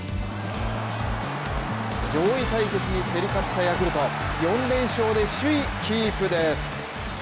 上位対決に競り勝ったヤクルト、４連勝で首位キープです。